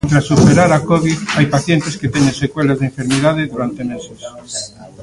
Tras superar a covid, hai pacientes que teñen secuelas da enfermidade durante meses.